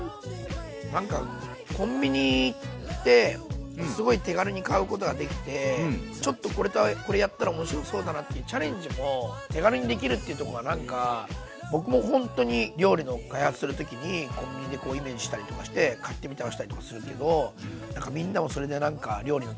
なんかコンビニ行ってすごい手軽に買うことができてちょっとこれとこれやったら面白そうだなっていうチャレンジも手軽にできるっていうとこがなんか僕もほんとに料理の開発する時にコンビニでイメージしたりとかして買ってみて合わせたりとかするけどみんなもそれでなんか料理の楽しさ